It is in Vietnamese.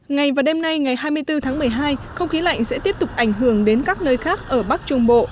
ngày và đêm nay ngày hai mươi bốn tháng một mươi hai không khí lạnh sẽ tiếp tục ảnh hưởng đến các nơi khác ở bắc trung bộ